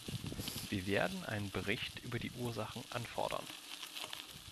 Wir werden einen Bericht über die Ursachen anfordern.